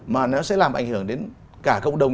mà nó sẽ làm ảnh hưởng đến cả cộng đồng